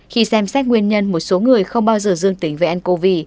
khi xem xét nguyên nhân một số người không bao giờ dương tính với ncov